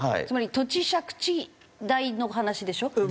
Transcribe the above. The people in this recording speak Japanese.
つまり土地借地代の話でしょ？